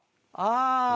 ああ！